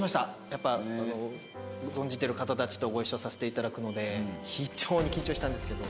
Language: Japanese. やっぱ存じてる方たちとご一緒させていただくので非常に緊張したんですけど。